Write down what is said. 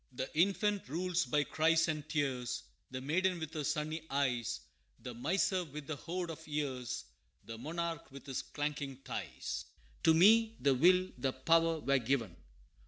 The infant rules by cries and tears The maiden, with her sunny eyes The miser, with the hoard of years The monarch, with his clanking ties. To me the will the power were given.